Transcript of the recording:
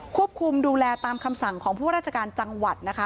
ควบคุมดูแลตามคำสั่งของผู้ราชการจังหวัดนะคะ